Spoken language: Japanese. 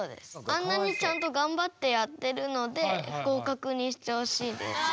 あんなにちゃんと頑張ってやってるので合かくにしてほしいです。